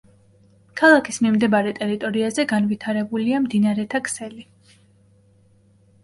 ქალაქის მიმდებარე ტერიტორიაზე განვითარებულია მდინარეთა ქსელი.